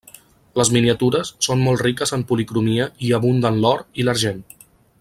Les miniatures són molt riques en policromia i hi abunden l'or i l'argent.